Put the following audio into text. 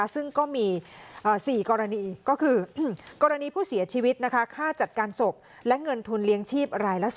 ซึ่งก็มี๔กรณีก็คือกรณีผู้เสียชีวิตค่าจัดการศพและเงินทุนเลี้ยงชีพรายละ๒